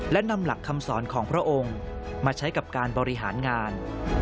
และนำหลักคำสอนของพระองค์มาใช้กับการบริหารงาน